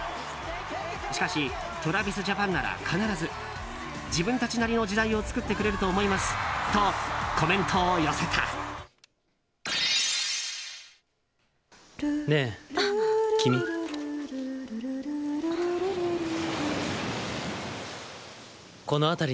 しかしＴｒａｖｉｓＪａｐａｎなら必ず自分たちなりの時代を作ってくれると思いますとコメントを寄せた。